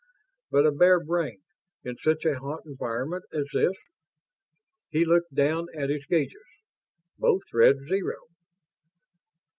But a bare brain, in such a hot environment as this.... He looked down at his gauges. Both read zero.